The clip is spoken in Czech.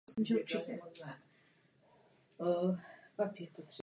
Jako stejně významné se v něm považují zájmy každé země.